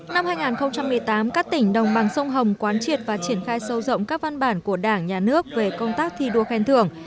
năm hai nghìn một mươi tám các tỉnh đồng bằng sông hồng quán triệt và triển khai sâu rộng các văn bản của đảng nhà nước về công tác thi đua khen thưởng